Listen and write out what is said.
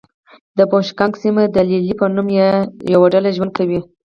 د بوشونګ سیمه کې د لې لې په نوم یوه ډله ژوند کوي.